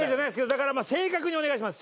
だから正確にお願いします。